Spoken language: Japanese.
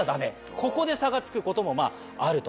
ここで差がつくこともあると。